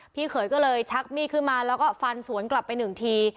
พี่เขยก็เลยชักมีดขึ้นมาแล้วก็ฟันสวนกลับไปหนึ่งที